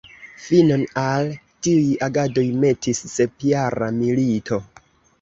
Finon al tiuj agadoj metis Sepjara milito.